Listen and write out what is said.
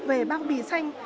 về bao bì xanh